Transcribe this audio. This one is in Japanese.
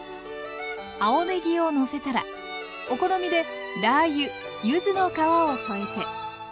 青ねぎをのせたらお好みでラー油柚子の皮を添えて。